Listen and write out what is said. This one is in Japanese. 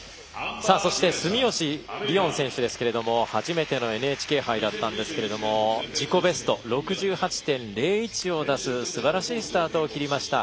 住吉りをん選手ですが、初めてのＮＨＫ杯だったんですが自己ベスト６８．０１を出すすばらしいスタートを切りました。